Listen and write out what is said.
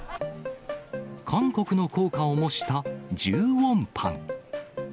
韓国の硬貨を模した１０ウォンパン。